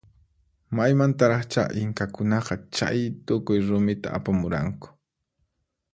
Maymantaraqcha inkakunaqa chaytukuy rumita apamuranku?